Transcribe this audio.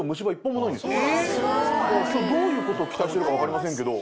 今日どういうことを期待してるか分かりませんけど。